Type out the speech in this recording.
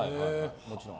もちろん。